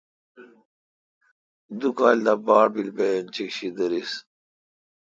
دو کال دا باڑ بیل بہ انچیک شی دریس۔